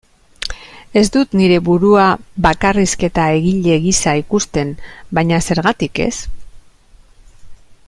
Ez dut nire burua bakarrizketa-egile gisa ikusten, baina zergatik ez?